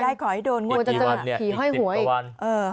ขอให้โดนงวดอีกสิบประวัน